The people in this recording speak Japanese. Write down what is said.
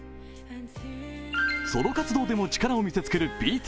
ソロ活動でも力を見せつけるＢＴＳ